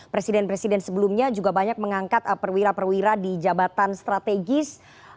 presiden presiden sebelumnya juga banyak mengangkat perwira perwira di jabatan strategis